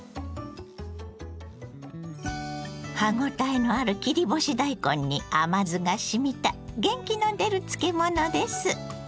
歯ごたえのある切り干し大根に甘酢がしみた元気の出る漬物です。